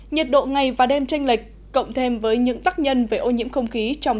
nhiệt độ ngày và đêm tranh lệch cộng thêm với những tác nhân về ô nhiễm không khí trong